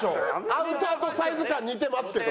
アウターとサイズ感似てますけど。